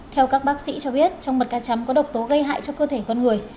theo các bác sĩ cho biết trong mật cá chấm có độc tố gây hại cho cơ thể con người